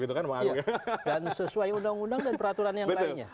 dan sesuai undang undang dan peraturan yang lainnya